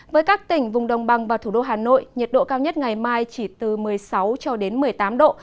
với các tỉnh vùng đồng bằng và thủ đô hà nội nhiệt độ cao nhất ngày mai chỉ từ một mươi sáu cho đến một mươi tám độ